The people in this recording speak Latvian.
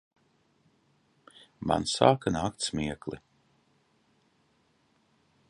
Man sāka nākt smiekli.